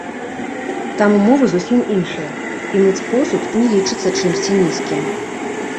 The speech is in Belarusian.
Там умовы зусім іншыя, і мыць посуд не лічыцца чымсьці нізкім.